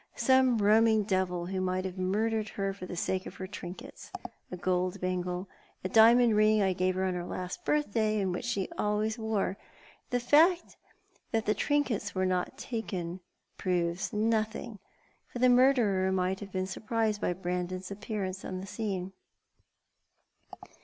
Some roaming devil, who may have murdered her for the sake of her trinkets — a gold bangle — a diamond ring that I gave her on her last birthday, and which she always wore. The fact that the trinkets were not taken proves nothing, for the murderer may have been surprised by Brandon's appear ance on the scene."